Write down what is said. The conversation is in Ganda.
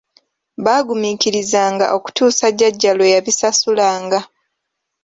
Baaguminkirizanga okutuusa jjajja lwe yabisasulanga.